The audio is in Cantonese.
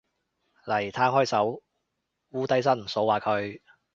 嚟，攤開手，摀低身，掃下佢